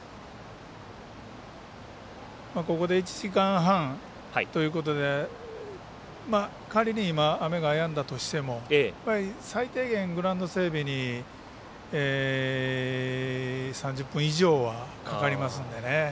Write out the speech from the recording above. ここで１時間半ということで仮に今、雨がやんだとしても最低限、グラウンド整備に３０分以上はかかりますので。